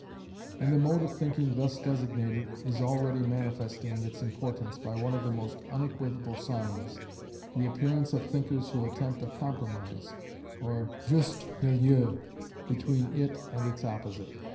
And the mode of thinking thus designated is already manifesting its importance by one of the most unequivocal signs, the appearance of thinkers who attempt a compromise or juste milieu between it and its opposite.